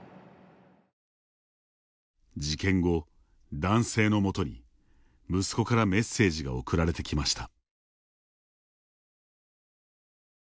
事件後、男性のもとに息子からメッセージが送られてきました。